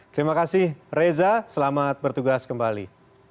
terima kasih reza selamat bertugas kembali